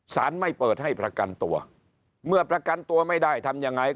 สารไม่เปิดให้ประกันตัวเมื่อประกันตัวไม่ได้ทำยังไง